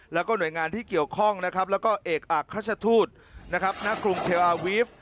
และก็หน่วยงานที่เกี่ยวข้องและเอกอักฆชทูตณกรุงเทวาวีฟ